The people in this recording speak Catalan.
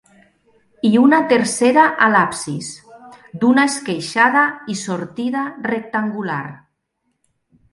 I una tercera a l'absis, d'una esqueixada i sortida rectangular.